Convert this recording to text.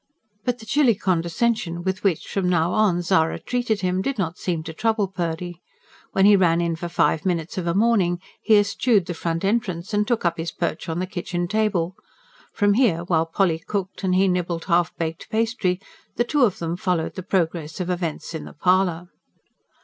But the chilly condescension with which, from now on, Zara treated him did not seem to trouble Purdy. When he ran in for five minutes of a morning, he eschewed the front entrance and took up his perch on the kitchen table. From here, while Polly cooked and he nibbled half baked pastry, the two of them followed the progress of events in the parlour.